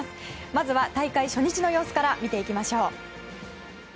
まずは大会初日の様子から見ていきましょう。